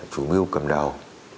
chủ mưu cầm đầu